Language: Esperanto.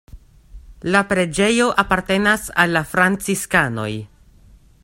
La preĝejo apartenas al la franciskanoj.